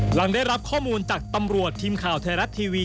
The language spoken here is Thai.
หลังได้รับข้อมูลจากตำรวจทีมข่าวไทยรัฐทีวี